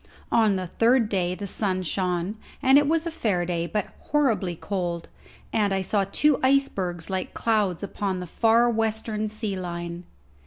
On the third day the sun shone, and it was a fair day, but horribly cold, and I saw two icebergs like clouds upon the far western sea line.